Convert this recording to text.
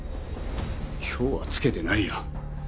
今日はつけてないよ。